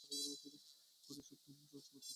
পরে এসব পান ট্রাক ভর্তি করে সারা দেশে সরবরাহ করা হয়।